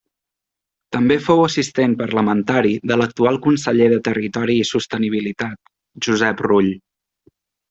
També fou assistent parlamentari de l'actual Conseller de territori i sostenibilitat, Josep Rull.